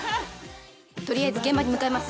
とりあえず現場に向かいます。